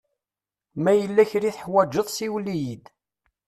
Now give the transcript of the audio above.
Ma yella kra i tuḥwaǧeḍ siwel-iyi-d.